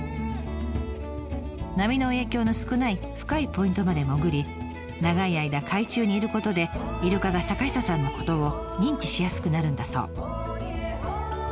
波の影響の少ない深いポイントまで潜り長い間海中にいることでイルカが坂下さんのことを認知しやすくなるんだそう。